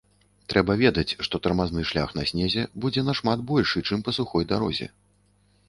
Трэба ведаць, што тармазны шлях на снезе будзе нашмат большы, чым па сухой дарозе.